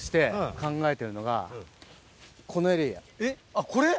あっこれ？